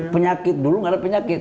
penyakit dulu nggak ada penyakit